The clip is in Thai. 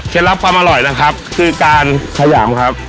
รับความอร่อยนะครับคือการขยายมครับ